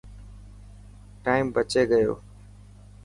ٽائم بچي گيو.